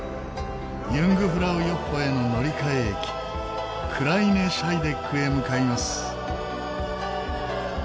ユングフラウヨッホへの乗り換え駅クライネ・シャイデックへ向かいます。